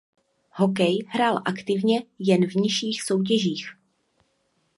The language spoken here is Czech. Hokej hrál aktivně jen v nižších soutěžích.